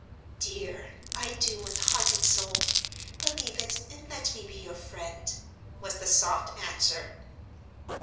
"Dear, I do with heart and soul. Believe it, and let me be your friend" was the soft answer.